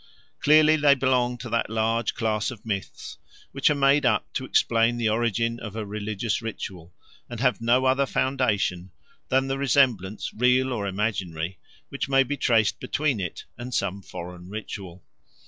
Clearly they belong to that large class of myths which are made up to explain the origin of a religious ritual and have no other foundation than the resemblance, real or imaginary, which may be traced between it and some foreign ritual.